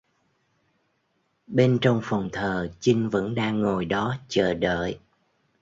Bên trong phòng thờ Chinh vẫn đang ngồi đó chờ đợi